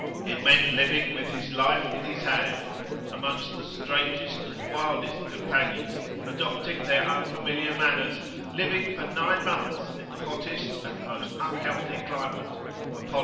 It meant living with his life in his hand, amongst the strangest and wildest companions, adopting their unfamiliar manners, living for nine months in the hottest and most unhealthy climate, upon [p.